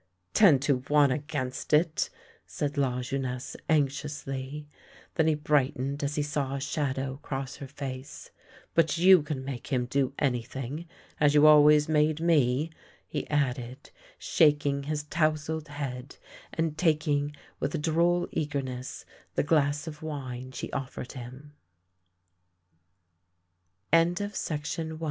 " Ten to one against it! " said Lajeunesse anxiously. Then he brightened as he saw a shadow cross her face. " But you can make him do anything — as you always made me," he added, shaking his tousled head and taking with a droll eagerness the glass of wi